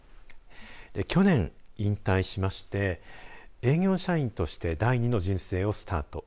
去年、引退しまして営業社員として第２の人生をスタート。